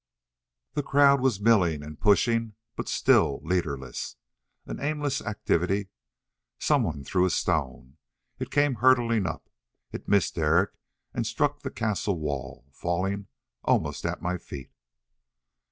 The crowd was milling and pushing, but still leaderless. An aimless activity. Someone threw a stone. It came hurtling up. It missed Derek and struck the castle wall, falling almost at my feet.